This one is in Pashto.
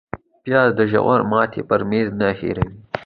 پیاز د روژه ماتي پر میز نه هېروې